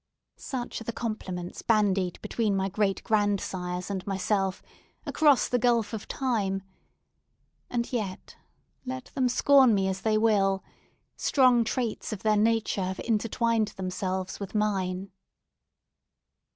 Such are the compliments bandied between my great grandsires and myself, across the gulf of time! And yet, let them scorn me as they will, strong traits of their nature have intertwined themselves with mine.